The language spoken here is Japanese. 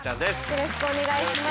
よろしくお願いします。